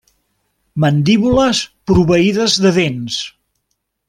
Mandíbules proveïdes de dents.